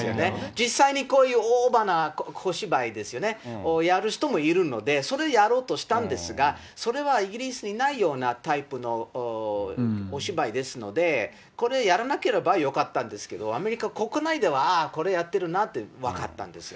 実際にこういうオーバーな小芝居ですよね、をやる人もいるので、それやろうとしたんですが、それはイギリスにないようなタイプのお芝居ですので、これ、やらなければよかったんですけど、アメリカ国内では、ああ、これやってるなって分かったんですよ。